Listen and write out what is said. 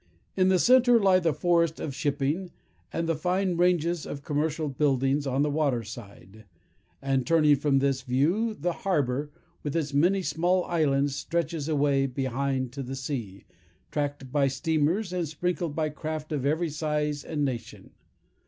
In the centre lie the forest of shipping, and the fine ranges of commercial buildings on the water side; and, turning from this view, the harbour, with its many small islands, stretches away behind to the sea, tracked by steamers, and sprinkled by craft of every size and nation.